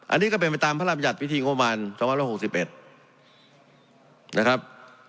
อันนี้ก็เป็นไปตามพระรามหยัดวิธีโงมันส๖๑นะครับ